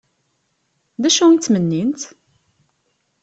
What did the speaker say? D acu ay ttmennint?